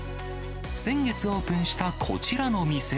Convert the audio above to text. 先月オープンしたこちらの店。